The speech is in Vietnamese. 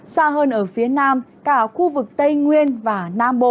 xa hơn ở phía nam cả khu vực tây nguyên và nam bộ